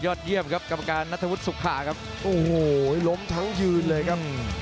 เยี่ยมครับกรรมการนัทวุฒิสุขาครับโอ้โหล้มทั้งยืนเลยครับ